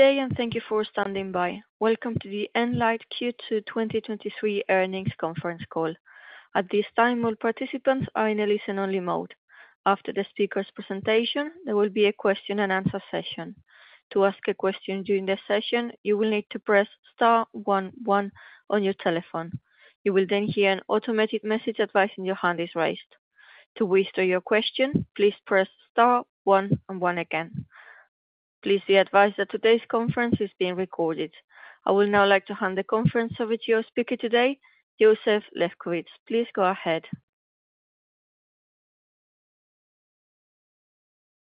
Good day. Thank you for standing by. Welcome to the Enlight Q2 2023 Earnings Conference Call. At this time, all participants are in a listen-only mode. After the speaker's presentation, there will be a question-and-answer session. To ask a question during the session, you will need to press star 11 on your telephone. You will then hear an automated message advising your hand is raised. To withdraw your question, please press star 1 and 1 again. Please be advised that today's conference is being recorded. I would now like to hand the conference over to your speaker today, Yosef Lefkovitz. Please go ahead.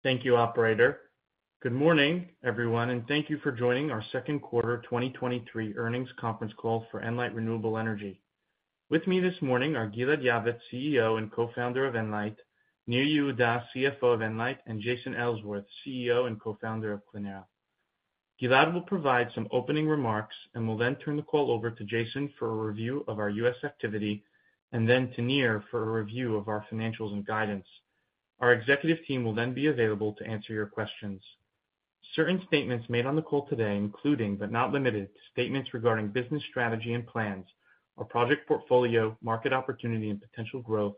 Thank you, operator. Good morning, everyone, thank you for joining our 2nd quarter 2023 earnings conference call for Enlight Renewable Energy. With me this morning are Gilad Yavetz, CEO and Co-founder of Enlight, Nir Yehuda, CFO of Enlight, Jason Ellsworth, CEO and Co-founder of Clenera. Gilad will provide some opening remarks will then turn the call over to Jason for a review of our US activity, then to Nir for a review of our financials and guidance. Our executive team will then be available to answer your questions. Certain statements made on the call today, including but not limited to statements regarding business strategy and plans or project portfolio, market opportunity and potential growth,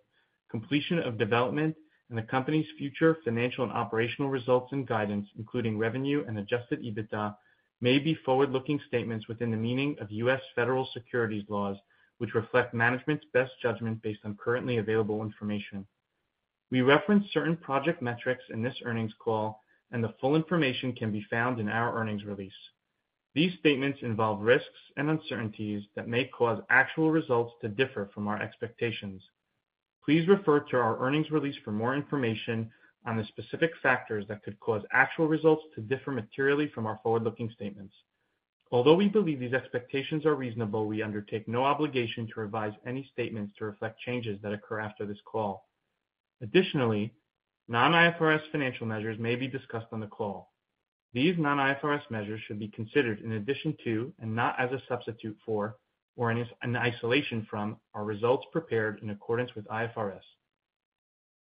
completion of development, and the company's future financial and operational results and guidance, including revenue and adjusted EBITDA, may be forward-looking statements within the meaning of U.S. federal securities laws, which reflect management's best judgment based on currently available information. We reference certain project metrics in this earnings call, and the full information can be found in our earnings release. These statements involve risks and uncertainties that may cause actual results to differ from our expectations. Please refer to our earnings release for more information on the specific factors that could cause actual results to differ materially from our forward-looking statements. Although we believe these expectations are reasonable, we undertake no obligation to revise any statements to reflect changes that occur after this call. Additionally, non-IFRS financial measures may be discussed on the call. These non-IFRS measures should be considered in addition to and not as a substitute for, or in isolation from, our results prepared in accordance with IFRS.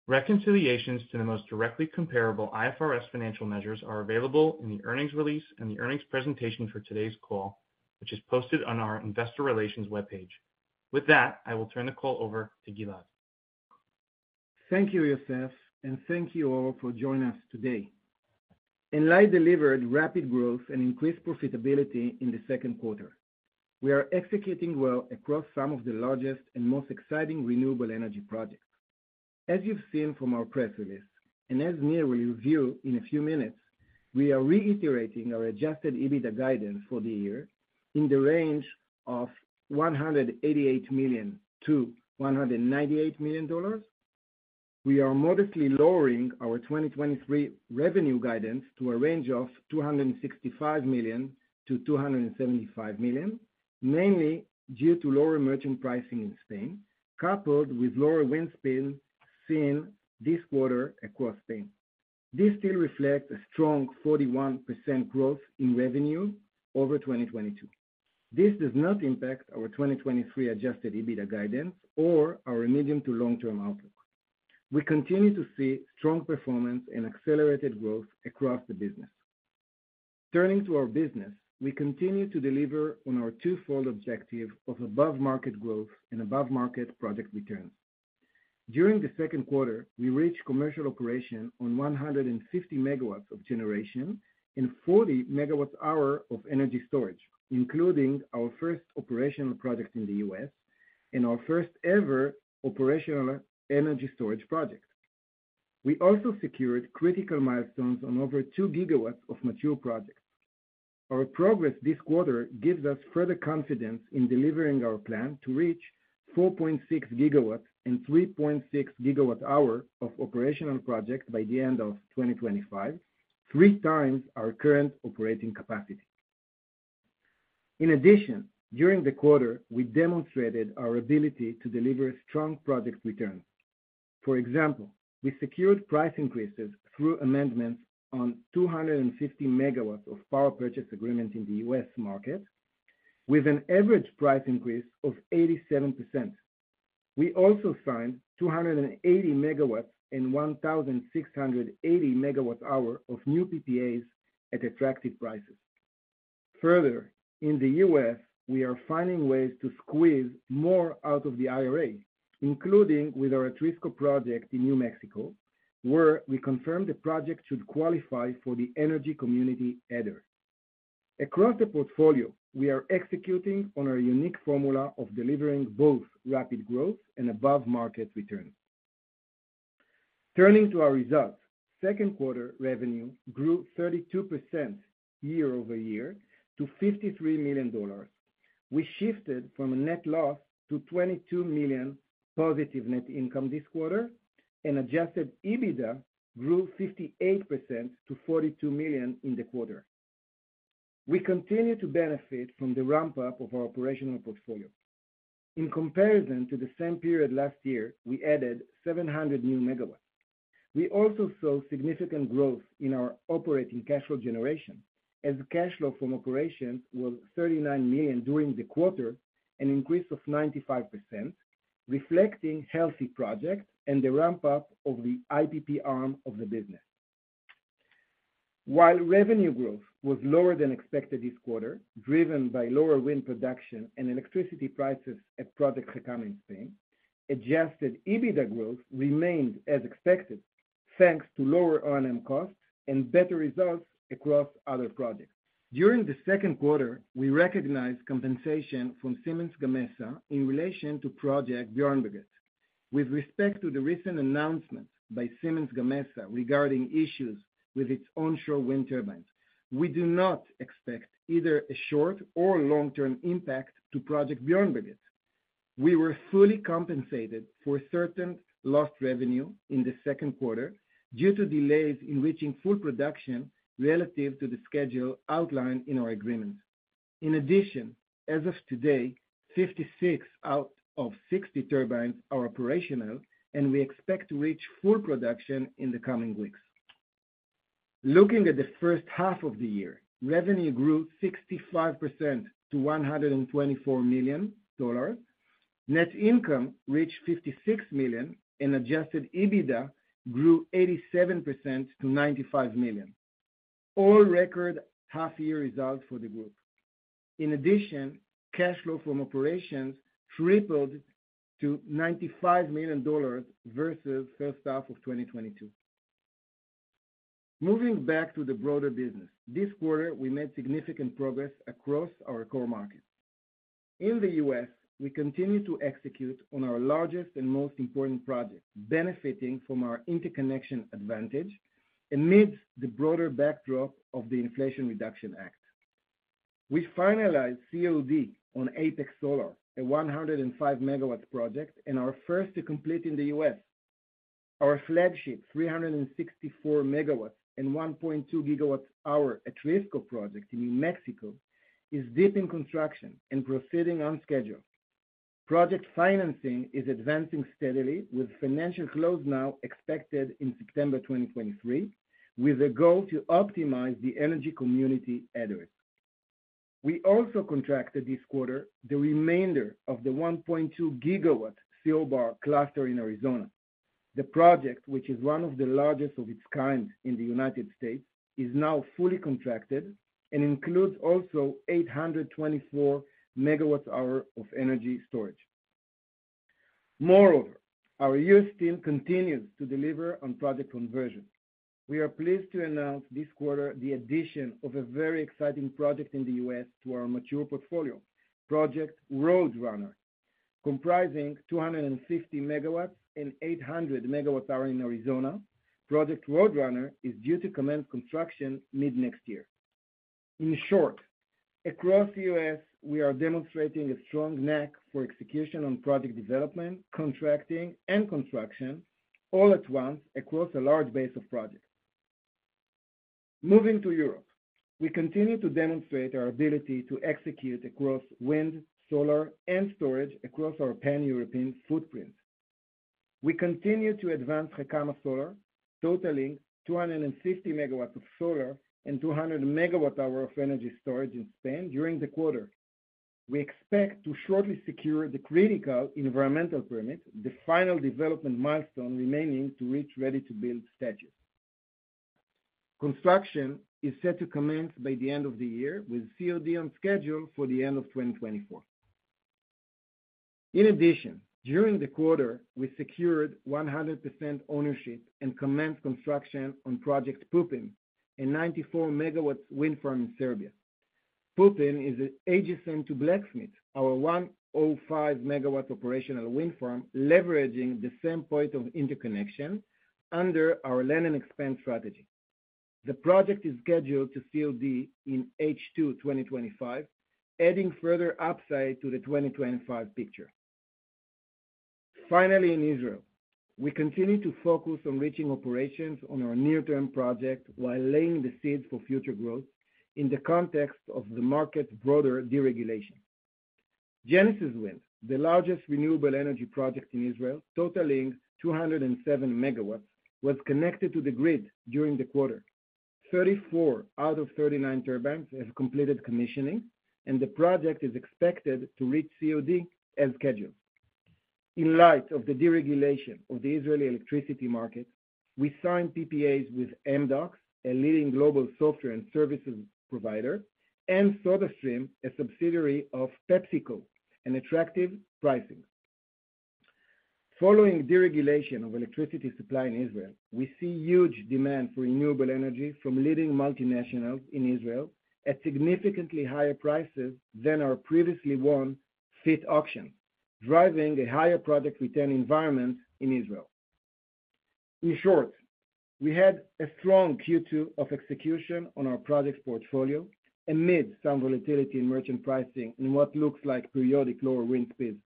Reconciliations to the most directly comparable IFRS financial measures are available in the earnings release and the earnings presentation for today's call, which is posted on our investor relations webpage. With that, I will turn the call over to Gilad. Thank you, Yosef, and thank you all for joining us today. Enlight delivered rapid growth and increased profitability in the second quarter. We are executing well across some of the largest and most exciting renewable energy projects. As you've seen from our press release, and as Nir will review in a few minutes, we are reiterating our adjusted EBITDA guidance for the year in the range of $188 million-$198 million. We are modestly lowering our 2023 revenue guidance to a range of $265 million-$275 million, mainly due to lower merchant pricing in Spain, coupled with lower wind speed seen this quarter across Spain. This still reflects a strong 41% growth in revenue over 2022. This does not impact our 2023 adjusted EBITDA guidance or our medium to long-term outlook. We continue to see strong performance and accelerated growth across the business. Turning to our business, we continue to deliver on our twofold objective of above-market growth and above-market project returns. During the second quarter, we reached commercial operation on 150 MW of generation and 40 MWh of energy storage, including our first operational project in the U.S. and our first ever operational energy storage project. We also secured critical milestones on over 2 GW of mature projects. Our progress this quarter gives us further confidence in delivering our plan to reach 4.6 GW and 3.6 GWh of operational projects by the end of 2025, three times our current operating capacity. In addition, during the quarter, we demonstrated our ability to deliver strong project returns. For example, we secured price increases through amendments on 250 megawatts of power purchase agreement in the U.S. market, with an average price increase of 87%. We also signed 280 megawatts and 1,680 megawatts hour of new PPAs at attractive prices. Further, in the U.S., we are finding ways to squeeze more out of the IRA, including with our Atrisco project in New Mexico, where we confirmed the project should qualify for the energy community adder. Across the portfolio, we are executing on our unique formula of delivering both rapid growth and above-market returns. Turning to our results. Second quarter revenue grew 32% year-over-year to $53 million. We shifted from a net loss to $22 million positive net income this quarter, and adjusted EBITDA grew 58% to $42 million in the quarter. We continue to benefit from the ramp-up of our operational portfolio. In comparison to the same period last year, we added 700 new MW. We also saw significant growth in our operating cash flow generation, as cash flow from operations was $39 million during the quarter, an increase of 95%. Reflecting healthy projects and the ramp-up of the IPP arm of the business. While revenue growth was lower than expected this quarter, driven by lower wind production and electricity prices at Project Jaca in Spain, adjusted EBITDA growth remained as expected, thanks to lower O&M costs and better results across other projects. During the 2Q, we recognized compensation from Siemens Gamesa in relation to Project Björnberget. With respect to the recent announcement by Siemens Gamesa regarding issues with its onshore wind turbines, we do not expect either a short or long-term impact to Project Björnberget. We were fully compensated for certain lost revenue in the second quarter due to delays in reaching full production relative to the schedule outlined in our agreement. In addition, as of today, 56 out of 60 turbines are operational, and we expect to reach full production in the coming weeks. Looking at the first half of the year, revenue grew 65% to $124 million. Net income reached $56 million, and adjusted EBITDA grew 87% to $95 million. All record half year results for the group. In addition, cash flow from operations tripled to $95 million versus first half of 2022. Moving back to the broader business, this quarter, we made significant progress across our core markets. In the U.S., we continue to execute on our largest and most important projects, benefiting from our interconnection advantage amidst the broader backdrop of the Inflation Reduction Act. We finalized COD on Apex Solar, a 105 MW project, and our first to complete in the U.S. Our flagship 364 MW and 1.2 GWh Atrisco Project in New Mexico, is deep in construction and proceeding on schedule. Project financing is advancing steadily, with financial close now expected in September 2023, with a goal to optimize the energy community address. We also contracted this quarter, the remainder of the 1.2 GW CO Bar cluster in Arizona. The project, which is one of the largest of its kind in the United States, is now fully contracted and includes also 824 MWh of energy storage. Moreover, our U.S. team continues to deliver on project conversion. We are pleased to announce this quarter the addition of a very exciting project in the U.S. to our mature portfolio, Project Roadrunner. Comprising 250 MW and 800 MWh in Arizona, Project Roadrunner is due to commence construction mid-next year. In short, across the U.S., we are demonstrating a strong knack for execution on project development, contracting, and construction, all at once across a large base of projects. Moving to Europe, we continue to demonstrate our ability to execute across wind, solar, and storage across our Pan-European footprint. We continue to advance Gecama Solar, totaling 250 MW of solar and 200 MWh of energy storage in Spain during the quarter. We expect to shortly secure the critical environmental permit, the final development milestone remaining to reach ready-to-build status. Construction is set to commence by the end of the year, with COD on schedule for the end of 2024. During the quarter, we secured 100% ownership and commenced construction on Project Pupin, a 94 MW wind farm in Serbia. Pupin is adjacent to Blacksmith, our 105 MW operational wind farm, leveraging the same point of interconnection under our land and expand strategy. The project is scheduled to COD in H2, 2025, adding further upside to the 2025 picture. In Israel, we continue to focus on reaching operations on our near-term project while laying the seeds for future growth in the context of the market's broader deregulation. Genesis Wind, the largest renewable energy project in Israel, totaling 207 MW, was connected to the grid during the quarter. 34 out of 39 turbines have completed commissioning, and the project is expected to reach COD as scheduled. In light of the deregulation of the Israeli electricity market, we signed PPAs with Amdocs, a leading global software and services provider, and SodaStream, a subsidiary of PepsiCo, an attractive pricing. Following deregulation of electricity supply in Israel, we see huge demand for renewable energy from leading multinationals in Israel at significantly higher prices than our previously won FIT auction, driving a higher project return environment in Israel. In short, we had a strong Q2 of execution on our projects portfolio amid some volatility in merchant pricing, in what looks like periodic lower wind speeds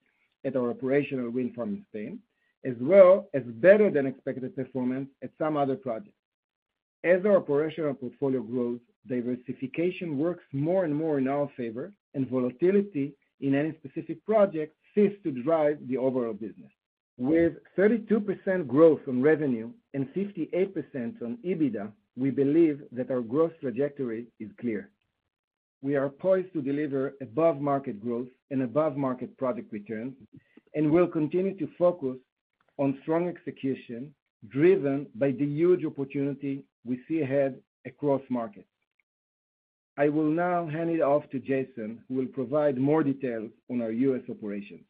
at our operational wind farm in Spain, as well as better than expected performance at some other projects. As our operational portfolio grows, diversification works more and more in our favor. Volatility in any specific project fails to drive the overall business. With 32% growth on revenue and 58% on EBITDA, we believe that our growth trajectory is clear. We are poised to deliver above-market growth and above-market product returns, and we'll continue to focus on strong execution, driven by the huge opportunity we see ahead across markets. I will now hand it off to Jason, who will provide more details on our U.S. operations.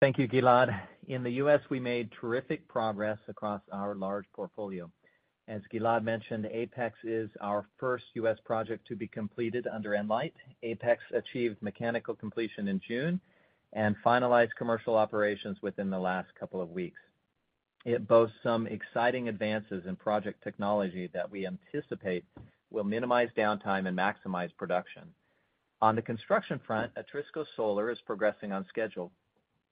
Thank you, Gilad. In the U.S., we made terrific progress across our large portfolio. As Gilad mentioned, Apex is our first U.S. project to be completed under Enlight. Apex achieved mechanical completion in June and finalized commercial operations within the last couple of weeks. It boasts some exciting advances in project technology that we anticipate will minimize downtime and maximize production. On the construction front, Atrisco Solar is progressing on schedule.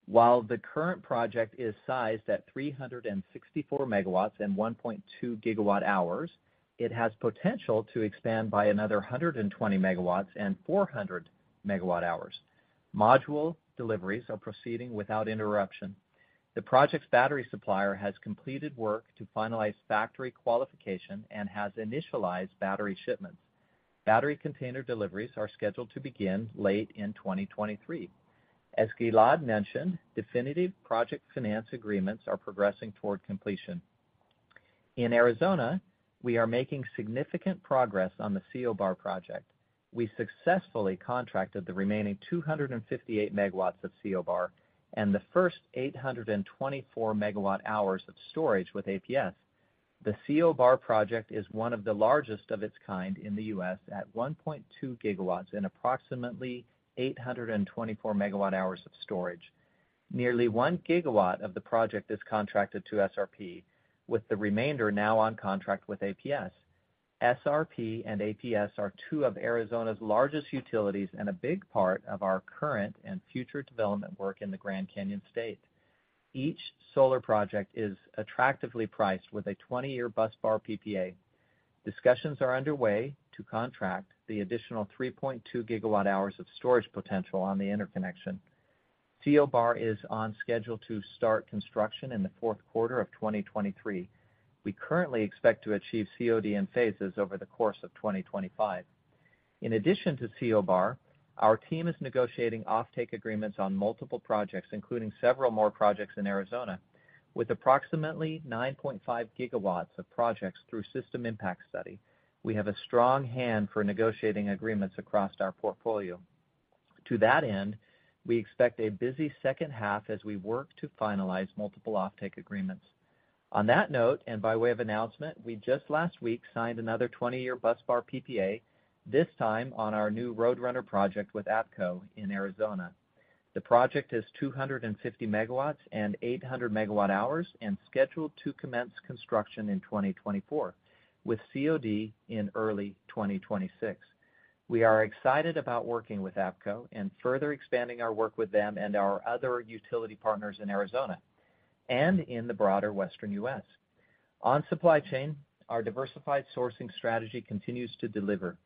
While the current project is sized at 364 MW and 1.2 GWh, it has potential to expand by another 120 MW and 400 MWh. Module deliveries are proceeding without interruption. The project's battery supplier has completed work to finalize factory qualification and has initialized battery shipments. Battery container deliveries are scheduled to begin late in 2023. As Gilad mentioned, definitive project finance agreements are progressing toward completion. In Arizona, we are making significant progress on the CO Bar project. We successfully contracted the remaining 258 MW of CO Bar and the first 824 MWh of storage with APS. The CO Bar project is one of the largest of its kind in the US, at 1.2 GW and approximately 824 MWh of storage. Nearly 1 GW of the project is contracted to SRP, with the remainder now on contract with APS. SRP and APS are two of Arizona's largest utilities and a big part of our current and future development work in the Grand Canyon State. Each solar project is attractively priced with a 20-year busbar PPA. Discussions are underway to contract the additional 3.2 GWh of storage potential on the interconnection. CO Bar is on schedule to start construction in the fourth quarter of 2023. We currently expect to achieve COD in phases over the course of 2025. In addition to CO Bar, our team is negotiating offtake agreements on multiple projects, including several more projects in Arizona. With approximately 9.5 GW of projects through system impact study, we have a strong hand for negotiating agreements across our portfolio. To that end, we expect a busy second half as we work to finalize multiple offtake agreements. On that note, and by way of announcement, we just last week signed another 20-year busbar PPA, this time on our new Roadrunner project with AEPCO in Arizona. The project is 250 MW and 800 MWh and scheduled to commence construction in 2024, with COD in early 2026. We are excited about working with AEPCO and further expanding our work with them and our other utility partners in Arizona and in the broader Western U.S. On supply chain, our diversified sourcing strategy continues to deliver.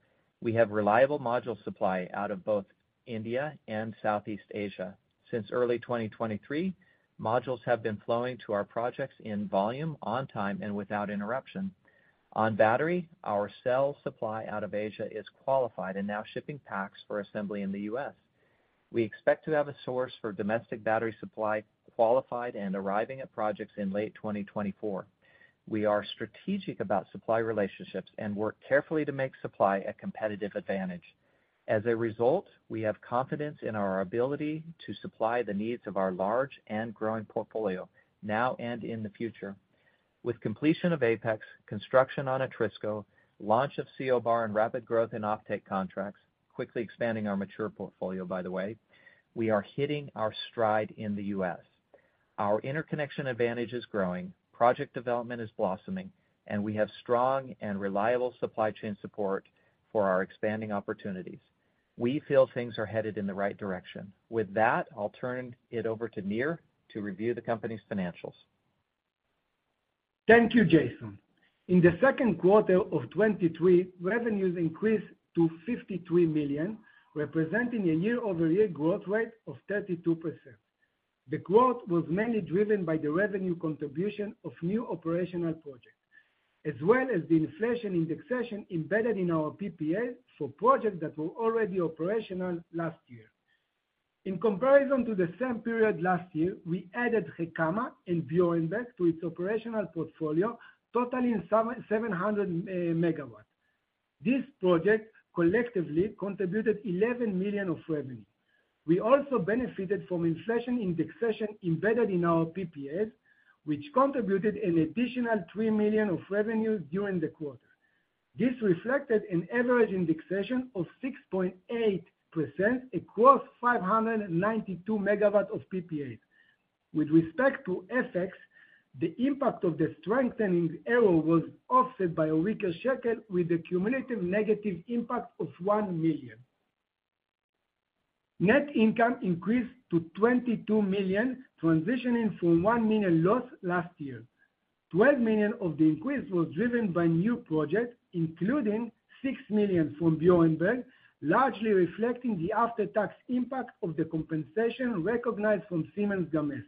We have reliable module supply out of both India and Southeast Asia. Since early 2023, modules have been flowing to our projects in volume, on time, and without interruption. On battery, our cell supply out of Asia is qualified and now shipping packs for assembly in the U.S. We expect to have a source for domestic battery supply qualified and arriving at projects in late 2024. We are strategic about supply relationships and work carefully to make supply a competitive advantage. As a result, we have confidence in our ability to supply the needs of our large and growing portfolio now and in the future. With completion of Apex, construction on Atrisco, launch of CO Bar, and rapid growth in offtake contracts, quickly expanding our mature portfolio, by the way, we are hitting our stride in the US. Our interconnection advantage is growing, project development is blossoming, and we have strong and reliable supply chain support for our expanding opportunities. We feel things are headed in the right direction. With that, I'll turn it over to Nir to review the company's financials. Thank you, Jason. In the second quarter of 2023, revenues increased to $53 million, representing a year-over-year growth rate of 32%. The growth was mainly driven by the revenue contribution of new operational projects, as well as the inflation indexation embedded in our PPA for projects that were already operational last year. In comparison to the same period last year, we added Gecama and Björnberget to its operational portfolio, totaling 700 MW. These projects collectively contributed $11 million of revenue. We also benefited from inflation indexation embedded in our PPAs, which contributed an additional $3 million of revenue during the quarter. This reflected an average indexation of 6.8% across 592 MW of PPAs. With respect to FX, the impact of the strengthening euro was offset by a weaker shekel, with a cumulative negative impact of $1 million. Net income increased to $22 million, transitioning from $1 million loss last year. $12 million of the increase was driven by new projects, including $6 million from Bjornberget, largely reflecting the after-tax impact of the compensation recognized from Siemens Gamesa.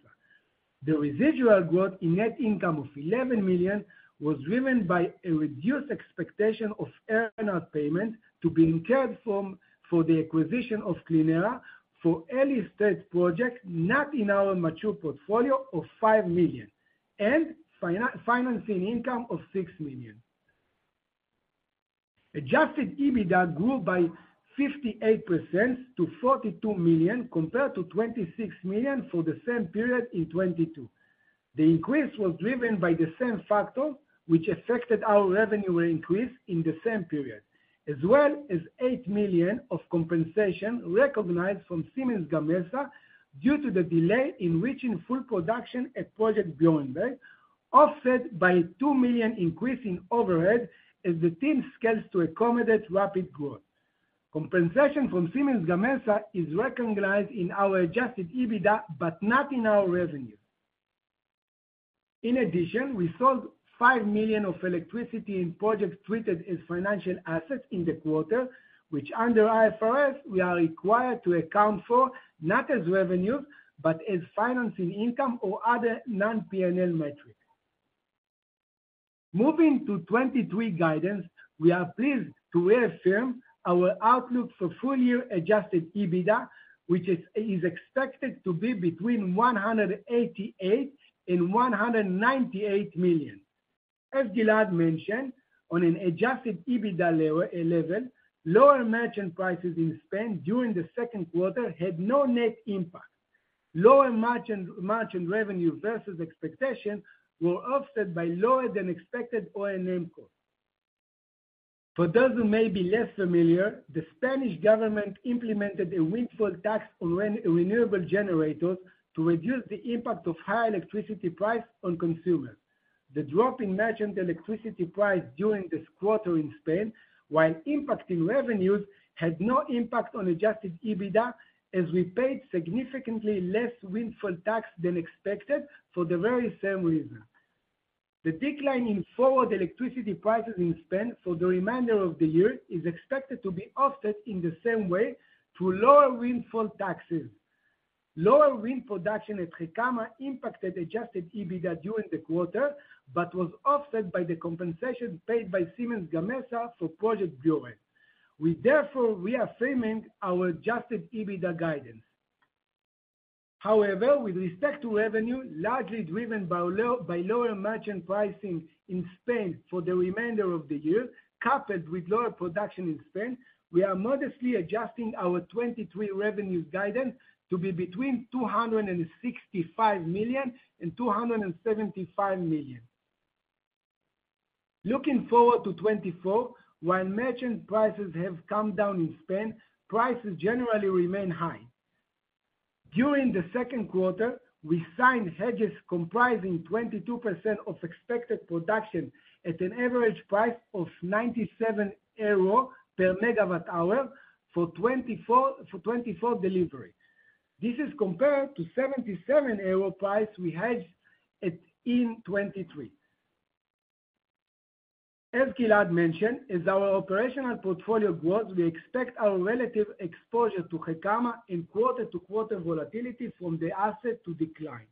The residual growth in net income of $11 million was driven by a reduced expectation of earnout payment to be incurred for the acquisition of Clenera for early-stage projects, not in our mature portfolio of $5 million, and financing income of $6 million. Adjusted EBITDA grew by 58% to $42 million, compared to $26 million for the same period in 2022. The increase was driven by the same factor, which affected our revenue increase in the same period, as well as $8 million of compensation recognized from Siemens Gamesa due to the delay in reaching full production at Project Björnberget, offset by $2 million increase in overhead as the team scales to accommodate rapid growth. Compensation from Siemens Gamesa is recognized in our adjusted EBITDA, but not in our revenue. In addition, we sold $5 million of electricity in projects treated as financial assets in the quarter, which under IFRS, we are required to account for, not as revenue, but as financing income or other non-PNL metrics. Moving to 2023 guidance, we are pleased to reaffirm our outlook for full year adjusted EBITDA, which is expected to be between $188 million and $198 million. As Gilad mentioned, on an adjusted EBITDA level, lower merchant prices in Spain during the second quarter had no net impact. Lower merchant revenue versus expectations were offset by lower than expected O&M cost. For those who may be less familiar, the Spanish government implemented a windfall tax on renewable generators to reduce the impact of high electricity prices on consumers. The drop in merchant electricity price during this quarter in Spain, while impacting revenues, had no impact on adjusted EBITDA, as we paid significantly less windfall tax than expected for the very same reason. The decline in forward electricity prices in Spain for the remainder of the year is expected to be offset in the same way through lower windfall taxes. Lower wind production at Gecama impacted adjusted EBITDA during the quarter, was offset by the compensation paid by Siemens Gamesa for Project Björnberget. We reaffirming our adjusted EBITDA guidance. With respect to revenue, largely driven by lower merchant pricing in Spain for the remainder of the year, coupled with lower production in Spain, we are modestly adjusting our 2023 revenue guidance to be between $265 million and $275 million. Looking forward to 2024, while merchant prices have come down in Spain, prices generally remain high. During the second quarter, we signed hedges comprising 22% of expected production at an average price of 97 euro per megawatt hour for 2024 delivery. This is compared to 77 euro price we hedged at in 2023. As Gilad mentioned, as our operational portfolio grows, we expect our relative exposure to Gecama in quarter-to-quarter volatility from the asset to decline.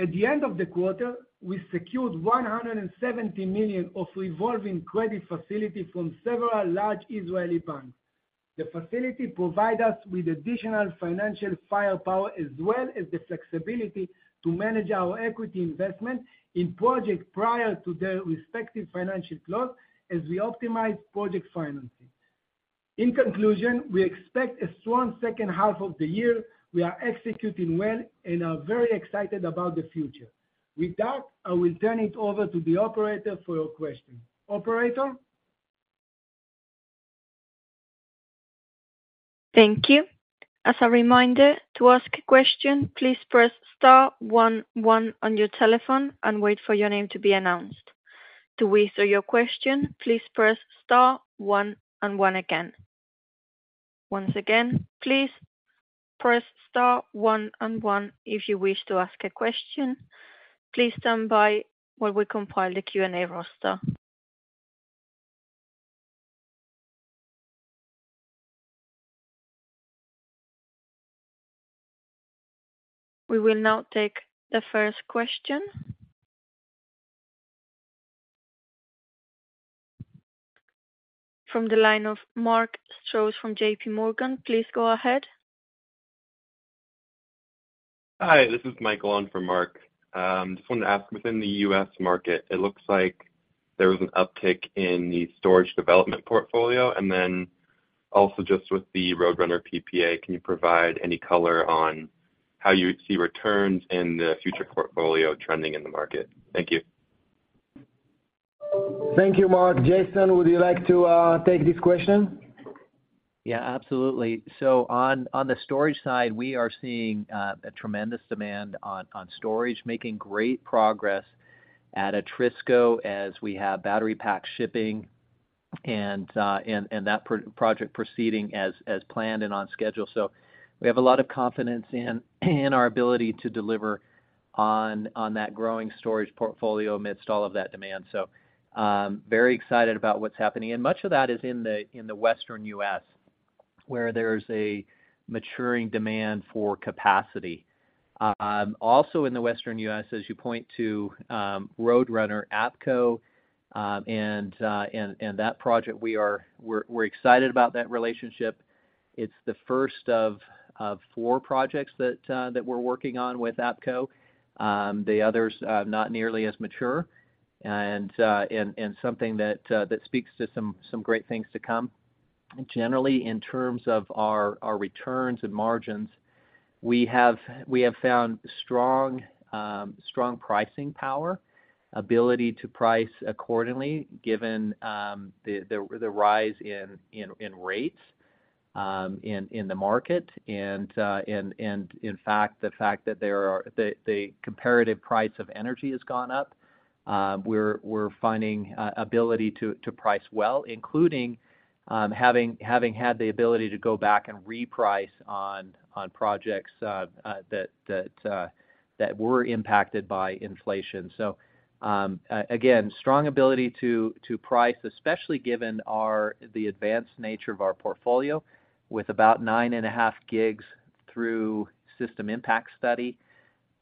At the end of the quarter, we secured $170 million of revolving credit facility from several large Israeli banks. The facility provide us with additional financial firepower, as well as the flexibility to manage our equity investment in projects prior to their respective financial close, as we optimize project financing. In conclusion, we expect a strong second half of the year. We are executing well and are very excited about the future. With that, I will turn it over to the operator for your question. Operator? Thank you. As a reminder, to ask a question, please press star 11 on your telephone and wait for your name to be announced. To withdraw your question, please press star 1 and 1 again. Once again, please press star 1 and 1 if you wish to ask a question. Please stand by while we compile the Q&A roster. We will now take the first question. From the line of Mark Strozak from JP Morgan. Please go ahead. Hi, this is Michael on from Mark. Just wanted to ask, within the US market, it looks like there was an uptick in the storage development portfolio, and then also just with the Roadrunner PPA, can you provide any color on how you see returns in the future portfolio trending in the market? Thank you. Thank you, Mark. Jason, would you like to take this question? Yeah, absolutely. On, on the storage side, we are seeing a tremendous demand on, on storage, making great progress at Atrisco as we have battery pack shipping and, and that project proceeding as, as planned and on schedule. We have a lot of confidence in, in our ability to deliver on, on that growing storage portfolio amidst all of that demand. Very excited about what's happening, and much of that is in the Western US where there's a maturing demand for capacity. Also in the Western US, as you point to, Roadrunner, AEPCO, and, and that project, we're, we're excited about that relationship. It's the first of 4 projects that we're working on with AEPCO. The others, not nearly as mature, and something that speaks to great things to come. Generally, in terms of our returns and margins, we have found strong pricing power, ability to price accordingly, given the rise in rates in the market. In fact, the comparative price of energy has gone up. We're finding ability to price well, including having had the ability to go back and reprice on projects that were impacted by inflation. Again, strong ability to price, especially given our, the advanced nature of our portfolio, with about 9.5 gigs through system impact study.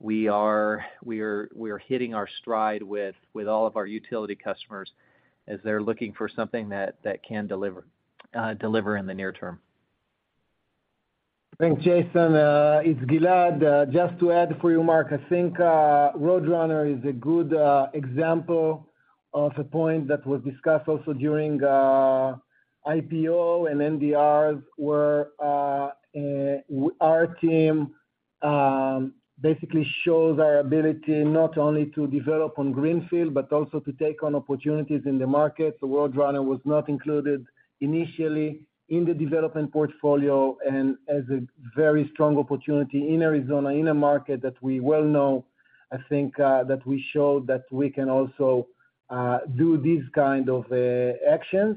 We are, we are, we are hitting our stride with, with all of our utility customers as they're looking for something that, that can deliver, deliver in the near term. Thanks, Jason. It's Gilad. Just to add for you, Mark, I think Roadrunner is a good example of a point that was discussed also during IPO and NDR, where our team basically show their ability not only to develop on greenfield, but also to take on opportunities in the market. Roadrunner was not included initially in the development portfolio and as a very strong opportunity in Arizona, in a market that we well know. I think that we showed that we can also do these kind of actions.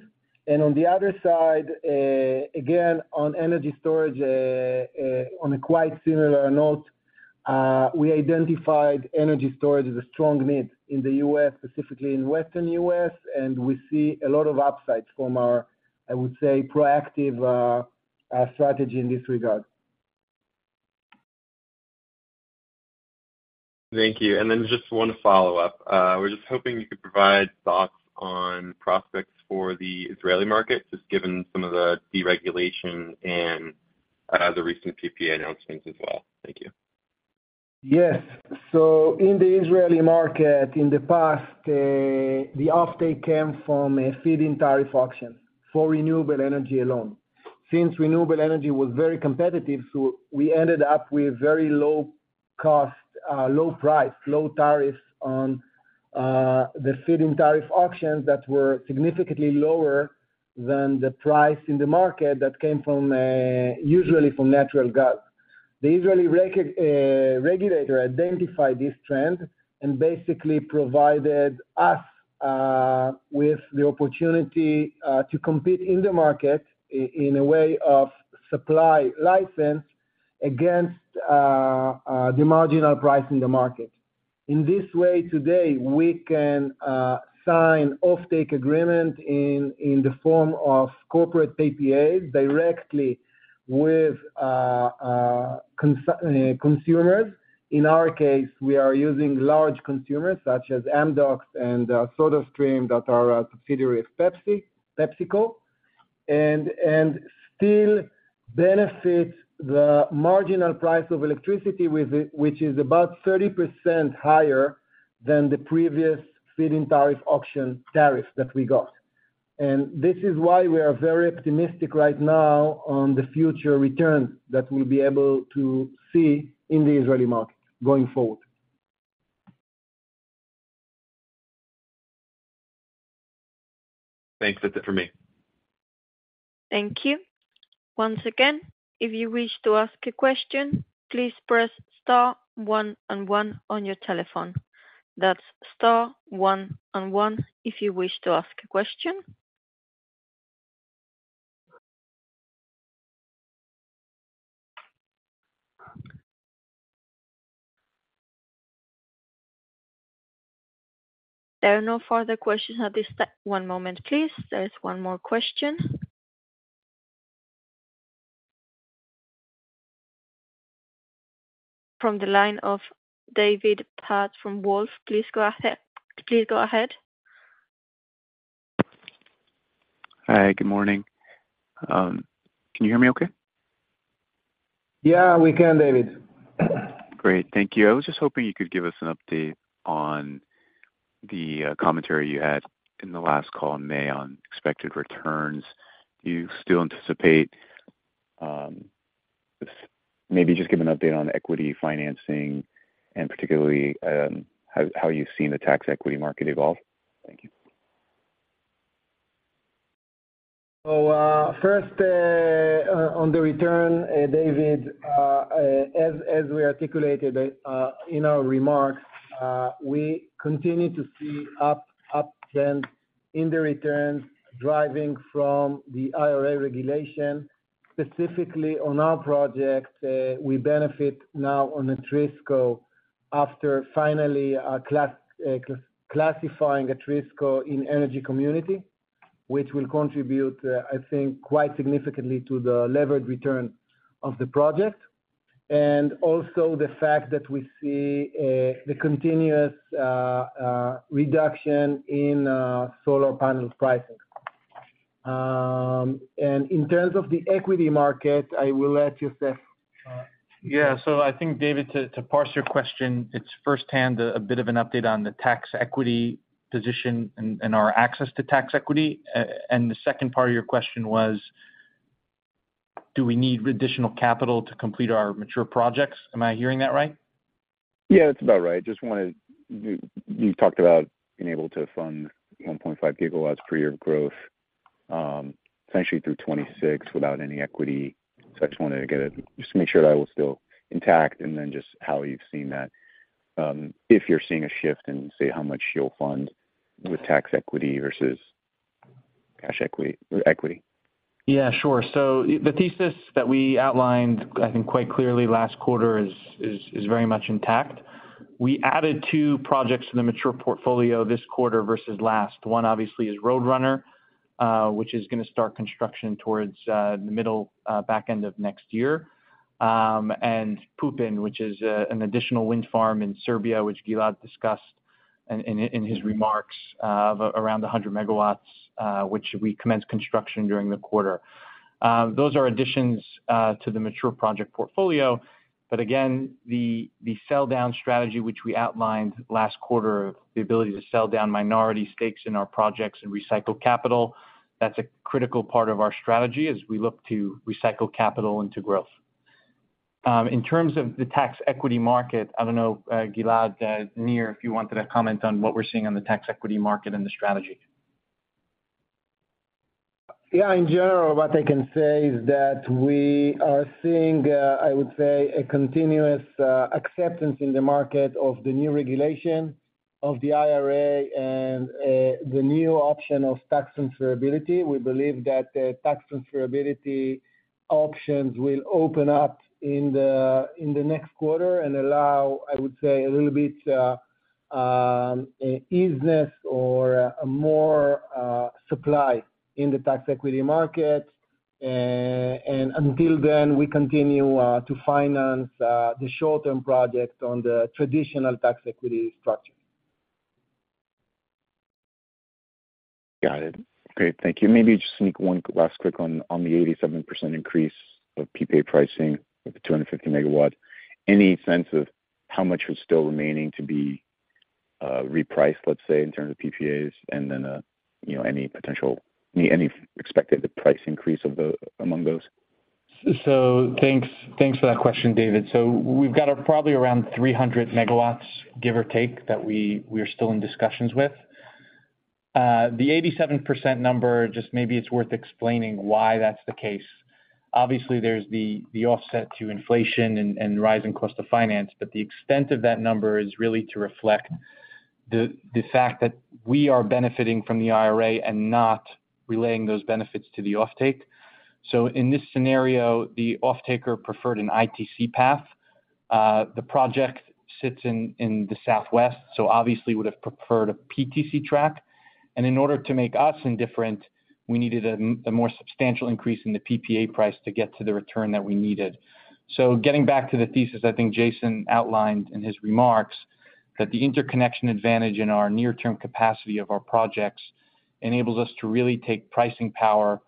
On the other side, again, on energy storage, on a quite similar note, we identified energy storage as a strong need in the U.S., specifically in Western U.S., and we see a lot of upsides from our, I would say, proactive strategy in this regard. Thank you. Just 1 follow-up. We're just hoping you could provide thoughts on prospects for the Israeli market, just given some of the deregulation and the recent PPA announcements as well? Thank you. Yes. So in the Israeli market, in the past, the offtake came from a feed-in tariff auction for renewable energy alone. Since renewable energy was very competitive, so we ended up with very low cost, low price, low tariffs on the feed-in tariff auctions that were significantly lower than the price in the market that came from, usually from natural gas. The Israeli regulator identified this trend and basically provided us with the opportunity to compete in the market in a way of supply license against the marginal price in the market. In this way, today, we can sign offtake agreement in, in the form of corporate PPAs directly with consumers. In our case, we are using large consumers such as Amdocs and SodaStream, that are a subsidiary of PepsiCo, and still benefit the marginal price of electricity with it, which is about 30% higher than the previous feed-in tariff auction tariff that we got. This is why we are very optimistic right now on the future return that we'll be able to see in the Israeli market going forward. Thanks. That's it for me. Thank you. Once again, if you wish to ask a question, please press star one and one on your telephone. That's star one and one, if you wish to ask a question. There are no further questions. One moment, please. There's one more question. From the line of David Paz from Wolfe Research. Please go ahead. Please go ahead. Hi, good morning. Can you hear me okay? Yeah, we can, David. Great. Thank you. I was just hoping you could give us an update on the commentary you had in the last call in May on expected returns. Do you still anticipate Maybe just give an update on equity financing and particularly, how, how you've seen the tax equity market evolve. Thank you. First, on the return, David, as we articulated in our remarks, we continue to see uptrend in the returns driving from the IRA regulation. Specifically on our project, we benefit now on Atrisco after finally classifying Atrisco in energy community, which will contribute, I think, quite significantly to the levered return of the project, and also the fact that we see the continuous reduction in solar panel pricing. In terms of the equity market, I will let you, Seth. Yeah. I think, David, to, to parse your question, it's firsthand a bit of an update on the tax equity position and, and our access to tax equity. The second part of your question was, do we need additional capital to complete our mature projects? Am I hearing that right? Yeah, that's about right. You, you talked about being able to fund 1.5 gigawatts per year of growth, essentially through 2026 without any equity. I just wanted to make sure that was still intact, and then just how you've seen that, if you're seeing a shift in, say, how much you'll fund with tax equity versus cash equity or equity. Yeah, sure. The thesis that we outlined, I think, quite clearly last quarter, is very much intact. We added two projects to the mature portfolio this quarter versus last. One, obviously, is Roadrunner, which is gonna start construction towards the middle, back end of next year. Pupin, which is an additional wind farm in Serbia, which Gilad discussed in his remarks, of around 100 megawatts, which we commenced construction during the quarter. Those are additions to the mature project portfolio, again, the sell down strategy, which we outlined last quarter, the ability to sell down minority stakes in our projects and recycle capital, that's a critical part of our strategy as we look to recycle capital into growth. In terms of the tax equity market, I don't know, Gilad, Nir, if you wanted to comment on what we're seeing on the tax equity market and the strategy? Yeah, in general, what I can say is that we are seeing, I would say, a continuous acceptance in the market of the new regulation of the IRA and the new option of tax transferability. We believe that tax transferability options will open up in the next quarter and allow, I would say, a little bit easiness or more supply in the tax equity market. Until then, we continue to finance the short-term projects on the traditional tax equity structure. Got it. Great, thank you. Maybe just sneak one last quick on, on the 87% increase of PPA pricing with the 250 MW? Any sense of how much is still remaining to be repriced, let's say, in terms of PPAs, and then, you know, any potential, any, any expected the price increase of the among those? Thanks, thanks for that question, David. We've got probably around 300 MW, give or take, that we, we're still in discussions with. The 87% number, just maybe it's worth explaining why that's the case. Obviously, there's the, the offset to inflation and, and rising cost of finance, but the extent of that number is really to reflect the, the fact that we are benefiting from the IRA and not relaying those benefits to the offtake. In this scenario, the offtaker preferred an ITC path. The project sits in, in the Southwest, so obviously would have preferred a PTC track. In order to make us indifferent, we needed a, a more substantial increase in the PPA price to get to the return that we needed. Getting back to the thesis, I think Jason outlined in his remarks, that the interconnection advantage in our near-term capacity of our projects enables us to really take pricing power,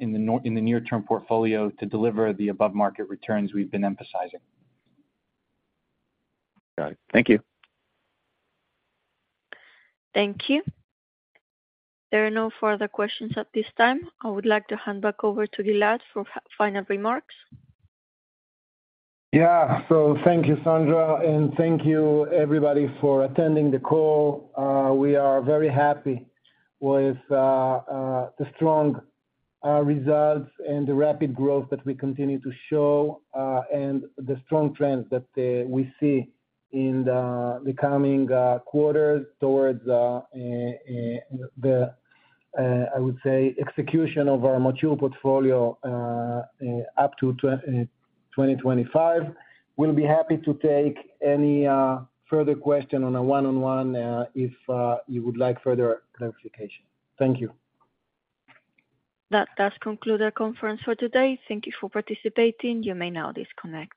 in the near-term portfolio to deliver the above-market returns we've been emphasizing. Got it. Thank you. Thank you. There are no further questions at this time. I would like to hand back over to Gilad for final remarks. Yeah. So thank you, Sandra, and thank you everybody for attending the call. We are very happy with the strong results and the rapid growth that we continue to show and the strong trends that we see in the coming quarters towards the, I would say, execution of our mature portfolio up to 2025. We'll be happy to take any further question on a one-on-one if you would like further clarification. Thank you. That does conclude our conference for today. Thank you for participating. You may now disconnect.